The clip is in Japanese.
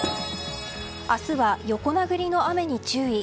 明日は横殴りの雨に注意。